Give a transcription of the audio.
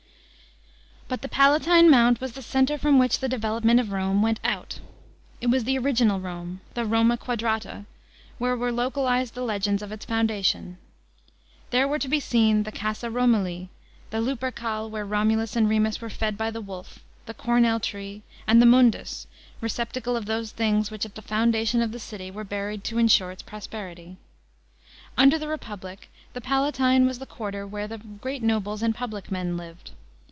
§ 6. But the Palatine Mount was the centre from which the de velopment of Rome went our. It was the original Rome, the Roma quadrata, where were localised the legends of its foundation. There were to be seen the Casa Romuli, the Lupercal where Homulus and Remus were fed by the wolf, the cornel tree, and the mundus, receptacle of those things winch at the foundation of the city were buried to ensure its prosperity. Under the Republic, the Palatine was the quarter where the great nol»les and public men lived.